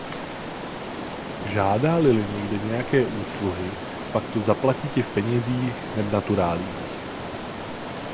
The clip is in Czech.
Žádali-li někde nějaké úsluhy, pak to zaplatili v penězích neb naturáliích.